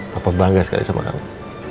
bapak bangga sekali sama kamu